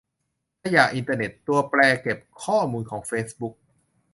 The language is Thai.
ขยะอินเทอร์เน็ต ตัวแปรเก็บข้อมูลของเฟซบุ๊ก